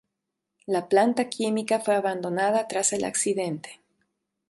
La planta química fue abandonada tras el accidente.